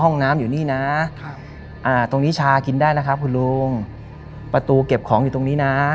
ห้องน้ำอยู่นี่นะตรงนี้ชากินได้นะครับคุณลุงประตูเก็บของอยู่ตรงนี้นะ